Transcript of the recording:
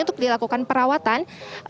untuk dilakukan perawatan